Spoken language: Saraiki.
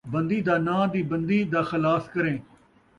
بندی دا ناں دی بندی دا خلاص کریں